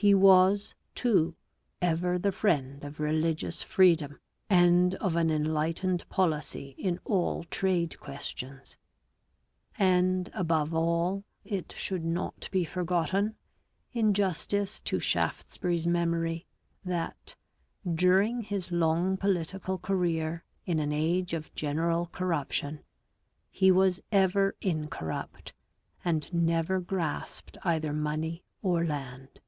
He was, too, ever the friend of religious freedom and of an enlightened policy in all trade questions. And, above all, it should not be forgotten, in justice to Shaftesbury's memory, that " during his long political career, in an age of general corruption, he was ever incorrupt, and never grasped either money or land."